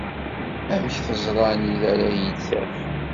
Amek teẓra anida ara iyi-d-taf?